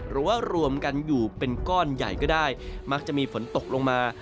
รวมกันอยู่เป็นก้อนใหญ่ก็ได้มักจะมีฝนตกลงมา